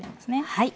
はい。